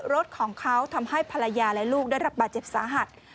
รถของเขาทำให้ภรรยาและลูกได้รับบาดเจ็บสาหัส